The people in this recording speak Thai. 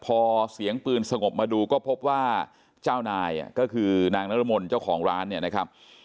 พอเสียงปืนสงบมาดูก็พบว่าเจ้านายก็คือนางนรมนเจ้าของร้านเนี่ยนะครับ